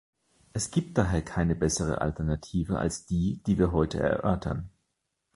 Es gibt daher keine bessere Alternative als die, die wir heute erörtern.